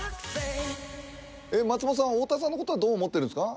松本さんは太田さんのことはどう思ってるんですか？